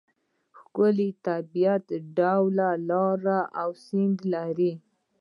ښکلې طبیعي ډوله لارې او سیند لري.